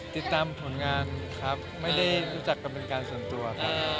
ติดตามผลงานครับไม่ได้รู้จักกันเป็นการส่วนตัวครับ